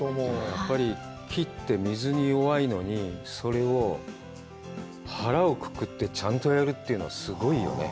やっぱり、木って水に弱いのに、それを腹をくくってちゃんとやるというのはすごいよね。